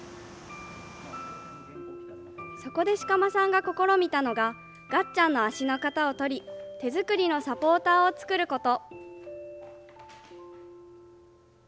そこで鹿間さんが試みたのががっちゃんの足の型を取り手作りのサポーターを作ること。